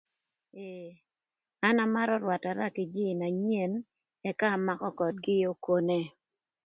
An amarö rwatara kï jïï na nyen ëka amakö ködgï okone